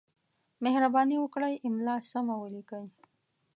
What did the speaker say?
مهرباني وکړئ! املا سمه ولیکئ!